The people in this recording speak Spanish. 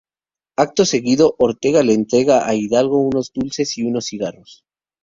Acto seguido, Ortega le entrega a Hidalgo unos dulces y unos cigarros.